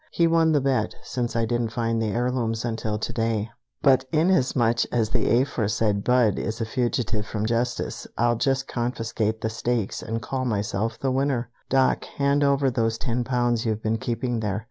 He won the bet, since I didn't find the heirlooms until to day, but inasmuch as the aforesaid Budd is a fugitive from justice, I'll just confiscate the stakes and call myself the winner! Doc, hand over those ten pounds you've been keeping there."